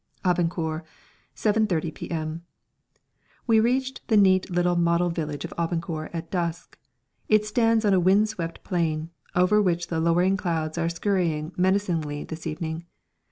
Abancour, 7.30 p.m. We reached the neat little model village of Abancour at dusk. It stands on a wind swept plain, over which the lowering clouds are scurrying menacingly this evening.